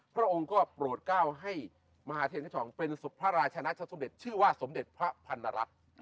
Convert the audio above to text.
พระองค์ก็โปรดก้าวให้มหาเทรชองเป็นพระราชนาชสมเด็จชื่อว่าสมเด็จพระพันรัฐ